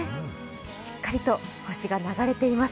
しっかりと星が流れています。